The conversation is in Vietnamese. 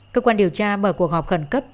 cơ quan điều tra mở cuộc họp khẩn cấp